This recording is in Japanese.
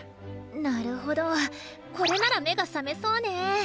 なるほどこれなら目が覚めそうね。